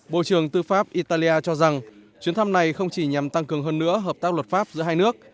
bộ trưởng tư pháp italia cho rằng chuyến thăm này không chỉ nhằm tăng cường hơn nữa hợp tác luật pháp giữa hai nước